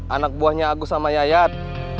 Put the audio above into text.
anak buahnya agus sama yayat